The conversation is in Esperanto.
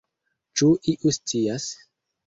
Ĉu iu scias?